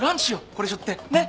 これしょってねっ。